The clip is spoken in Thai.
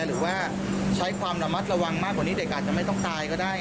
หรือว่าใช้ความระมัดระวังมากกว่านี้เด็กอาจจะไม่ต้องตายก็ได้